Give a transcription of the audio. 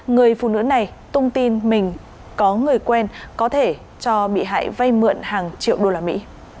người phụ nữ này tung tin mình có người quen có thể cho bị hại vay mượn hàng triệu đô la mỹ